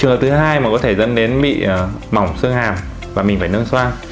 trường hợp thứ hai mà có thể dẫn đến bị mỏng xương hàm và mình phải nâng xoang